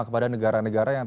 kepada negara negara lainnya